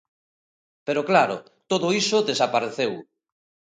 Pero, claro, todo iso desapareceu.